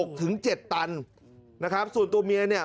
ถึงเจ็ดตันนะครับส่วนตัวเมียเนี่ย